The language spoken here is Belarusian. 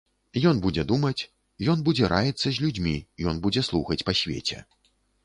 Ён будзе думаць, ён будзе раіцца з людзьмі, ён будзе слухаць па свеце.